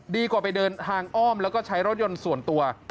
ดีกว่าไปเดินทางอ้อมแล้วก็ใช้รถยนต์ส่วนตัว